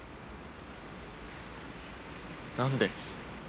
何で？